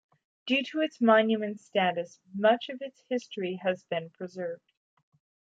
Due to its monument status, much of its history has been preserved.